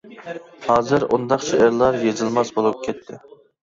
ھازىر ئۇنداق شېئىرلار يېزىلماس بولۇپ كەتتى.